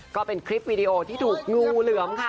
ก็เป็นคลิปวีดีโอที่ถูกงูเหลือมค่ะ